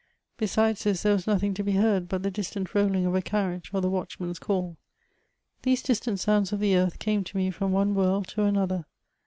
Besides this there was nothing to be heard but the distant rolling of a carriage, or the watchman's call. These distant sounds of the earth came to me from one world to another.